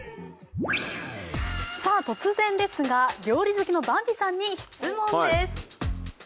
突然ですが、料理好きのヴァンビさんに質問です。